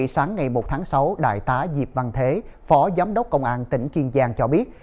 sáng ngày một tháng sáu đại tá diệp văn thế phó giám đốc công an tỉnh kiên giang cho biết